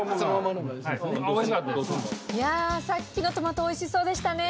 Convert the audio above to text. いやさっきのトマトおいしそうでしたね。